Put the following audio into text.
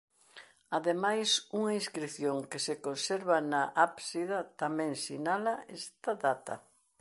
Ademais unha inscrición que se conserva na ábsida tamén sinala esta data.